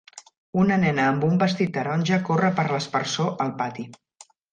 Una nena amb un vestit taronja corre per l'aspersor al pati